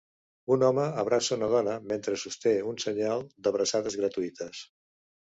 Un home abraça una dona mentre sosté un senyal d'abraçades gratuïtes.